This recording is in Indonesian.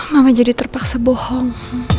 mama jadi terpaksa bohong